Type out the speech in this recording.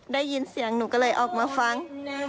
ได้ยินเสียงหนูก็เลยออกมาฟัง